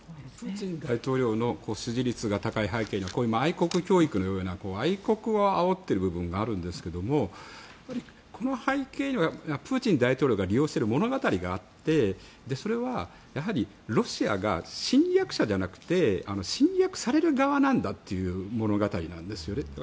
プーチン大統領の支持率が高い背景には愛国教育のような愛国をあおっている部分があるんですけれど、この背景にはプーチン大統領が利用している物語があってそれは、やはりロシアが侵略者じゃなくて侵略される側なんだという物語なんですよね。